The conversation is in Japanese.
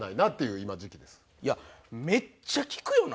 いやめっちゃ聞くよな。